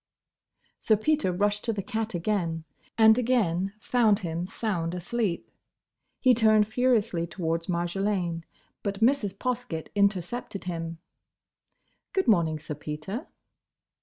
Sir Peter rushed to the cat again, and again found him sound asleep. He turned furiously towards Marjolaine, but Mrs. Poskett intercepted him. "Good morning, Sir Peter!"